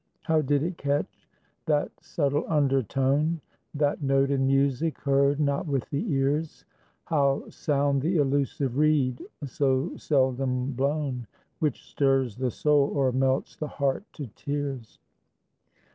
How did it catch that subtle undertone, That note in music heard not with the ears? How sound the elusive reed so seldom blown, Which stirs the soul or melts the heart to tears.